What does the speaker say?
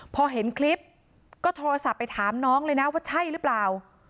พอเห็นคลิปก็โทรศัพท์ไปถามน้องเลยนะว่าใช่หรือเปล่า